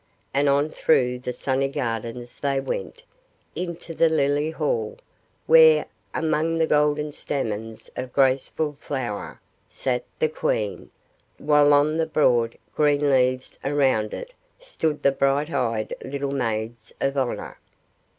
And on through the sunny gardens they went, into the Lily Hall, where, among the golden stamens of a graceful flower, sat the Queen; while on the broad, green leaves around it stood the brighteyed little maids of honor.